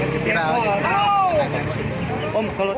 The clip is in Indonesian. ketirauan disini nyerangjak disini